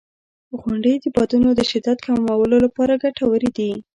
• غونډۍ د بادونو د شدت کمولو لپاره ګټورې دي.